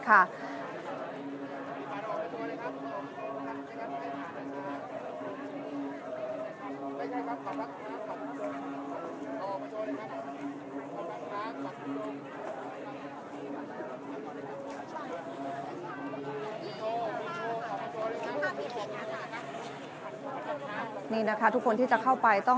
เมื่อเวลาอันดับสุดท้ายเมื่อเวลาอันดับสุดท้าย